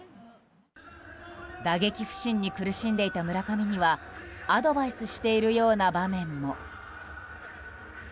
打撃不振に苦しんでいた村上にはアドバイスしているような場面も。